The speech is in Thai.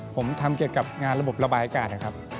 ผมทำเกี่ยวกับงานระบบระบายอากาศนะครับ